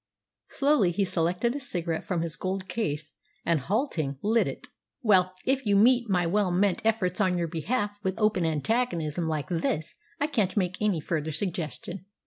Slowly he selected a cigarette from his gold case, and, halting, lit it. "Well, if you meet my well meant efforts on your behalf with open antagonism like this I can't make any further suggestion."